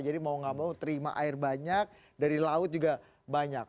jadi mau gak mau terima air banyak dari laut juga banyak